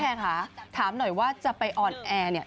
ค่ะถามหน่อยว่าจะไปออนแอร์เนี่ย